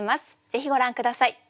ぜひご覧下さい。